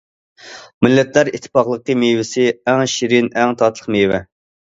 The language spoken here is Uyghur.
مىللەتلەر ئىتتىپاقلىقى مېۋىسى- ئەڭ شېرىن، ئەڭ تاتلىق مېۋە.